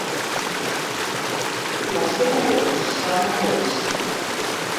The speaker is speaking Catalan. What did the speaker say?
La seva veu sona dolça.